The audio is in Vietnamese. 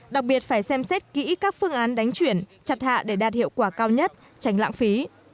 đặc biệt phải xem xét kỹ các phương án đánh chuyển chặt hạ để đạt hiệu quả cao nhất tránh lãng phí